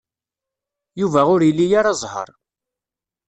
Yuba ur ili ara zzheṛ.